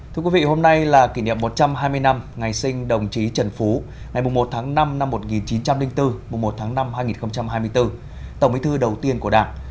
thưa quý vị hôm nay là kỷ niệm một trăm hai mươi năm ngày sinh đồng chí trần phú ngày một tháng năm năm một nghìn chín trăm linh bốn một tháng năm hai nghìn hai mươi bốn tổng bí thư đầu tiên của đảng